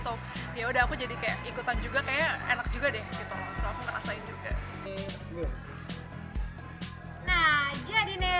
so yaudah aku jadi kayak ikutan juga kayaknya enak juga deh gitu loh so aku ngerasain juga